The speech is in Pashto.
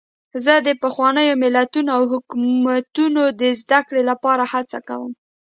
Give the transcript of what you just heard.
زه د پخوانیو متلونو او حکمتونو د زدهکړې لپاره هڅه کوم.